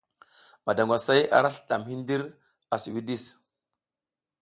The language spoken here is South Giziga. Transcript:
Madangwasay ara slidadm hidir a si widis.